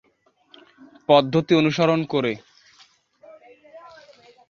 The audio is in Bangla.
পদ্ধতি অনুসরণ করে।